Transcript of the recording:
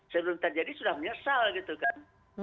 sebelum terjadi sudah menyesal gitu kan